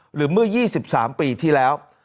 หรือเมื่อ๒๓ปีที่แล้ว